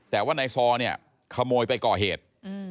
แต่ว่านายซอเนี่ยขโมยไปก่อเหตุ